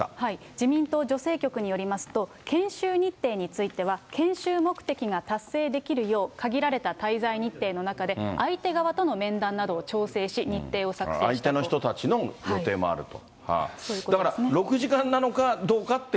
自民党女性局によりますと、研修日程については、限られた滞在日程の中で、相手側との面談などを調整し、相手の人たちの予定もあると。